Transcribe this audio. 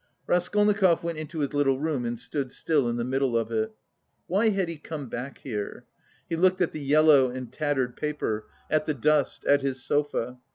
Raskolnikov went into his little room and stood still in the middle of it. Why had he come back here? He looked at the yellow and tattered paper, at the dust, at his sofa....